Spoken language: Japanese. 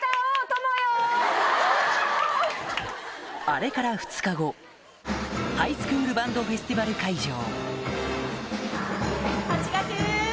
あれから２日後ハイスクールバンドフェスティバル会場